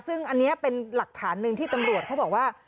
ซึ่งอันนี้เป็นหลักฐานหนึ่งที่ตำรวจเขาบอกว่า